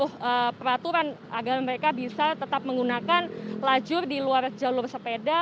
jadi ini adalah peraturan agar mereka bisa tetap menggunakan lajur di luar jalur sepeda